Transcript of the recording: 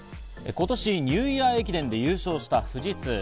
今年、ニューイヤー駅伝で優勝した富士通。